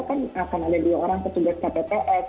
kan akan ada dua orang petugas kpps